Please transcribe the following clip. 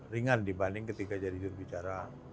ringan dibanding ketika jadi jurubicara